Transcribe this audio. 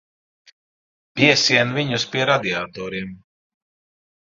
Piesien viņus pie radiatoriem.